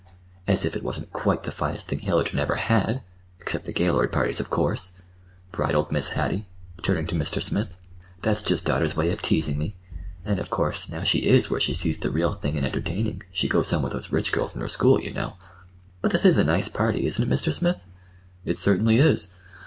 "As if it wasn't quite the finest thing Hillerton ever had—except the Gaylord parties, of course," bridled Mrs. Hattie, turning to Mr. Smith. "That's just daughter's way of teasing me—and, of course, now she is where she sees the real thing in entertaining—she goes home with those rich girls in her school, you know. But this is a nice party, isn't it Mr. Smith?" "It certainly is."